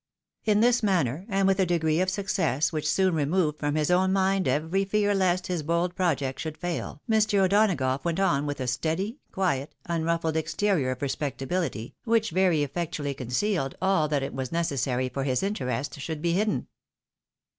In this manner, and with a degree of success which soon removed from his own mind every fear lest his bold project should fail, ilr. O'Donagough went on with a steady, quiet, un ruffled exterior of respectability, which effectually concealed aU that it was necessary for his interest should be hidden.